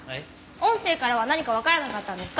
音声からは何かわからなかったんですか？